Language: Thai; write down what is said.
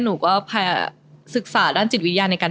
หนูก็ศึกษาด้านจิตวิญญาณในการ